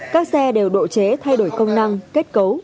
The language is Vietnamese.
các xe đều độ chế thay đổi công năng kết cấu